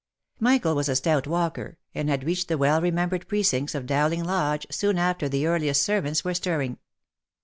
Michael was a stout walker, and had reached the well remembered precincts of Dowling Lodge soon after the earliest servants were stirring.